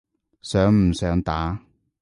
想唔想打？